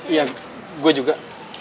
iya gue juga